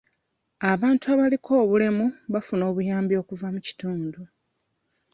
Abantu abaliko obulemu bafuna obuyambi okuva mu kitundu.